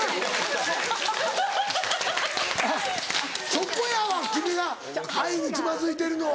そこやわ君が愛につまずいてるのは。